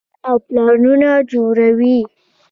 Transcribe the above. او پلانونه جوړوي -